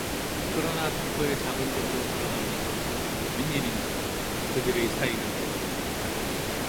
그러나 덕호의 작은집으로 들어가면서부터는 웬일인지 그들의 사이는 벌어졌다.